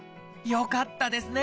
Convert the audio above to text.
よかったですね！